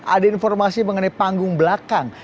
ada informasi mengenai panggung belakang